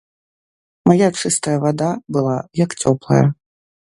Мая чыстая вада была, як цёплая.